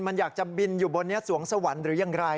มันอยากจะบินอยู่บนนี้สวงสวรรค์หรืออย่างไร